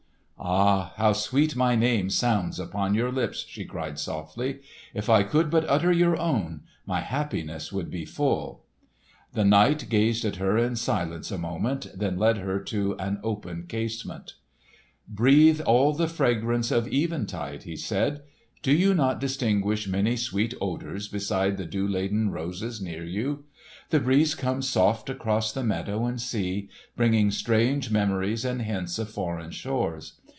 "Ah, how sweet my name sounds upon your lips!" she cried softly. "If I could but utter your own, my happiness would be full." The knight gazed at her in silence a moment, then led her to an open casement. [Illustration: Lohengrin and Elsa E. Klimsch By permission of F. Bruckmann, Munich] "Breathe all the fragrance of eventide," he said. "Do you not distinguish many sweet odours beside the dew laden roses near you? The breeze comes soft across the meadow and sea, bringing strange memories and hints of foreign shores.